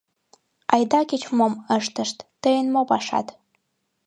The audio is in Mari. Айда кеч-мом ыштышт, тыйын мо пашат?